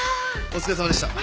お疲れさまでした。